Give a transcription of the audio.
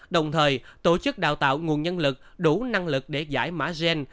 đồng thời tổ chức đào tạo nguồn nhân lực đủ năng lực để giải mã gen